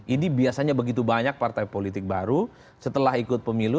ini biasanya begitu banyak partai politik baru setelah ikut pemilu